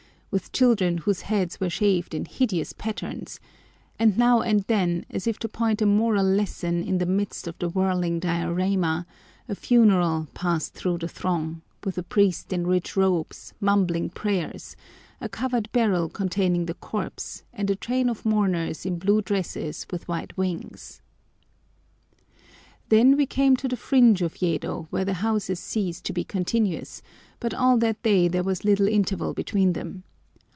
with children whose heads were shaved in hideous patterns; and now and then, as if to point a moral lesson in the midst of the whirling diorama, a funeral passed through the throng, with a priest in rich robes, mumbling prayers, a covered barrel containing the corpse, and a train of mourners in blue dresses with white wings. Then we came to the fringe of Yedo, where the houses cease to be continuous, but all that day there was little interval between them.